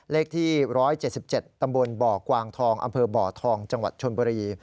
เลขที่๑๗๗ตำบลบ่อกวางทองอำเภอบ่อทองจังหวัดชนบุรี